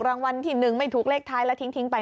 รางวัลที่๑ไม่ถูกเลขท้ายแล้วทิ้งไป